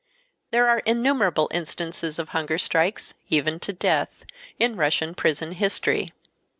There are innumerable instances of hunger strikes, even to death, in Russian prison history.